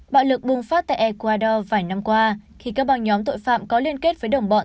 bạo lực bùng phát tại ecuador vài năm qua khi các băng nhóm tội phạm có liên kết với đồng bọn